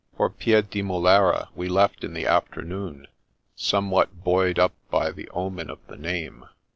For Piedimulera we left in the afternoon, some what buoyed up by the omen of the name.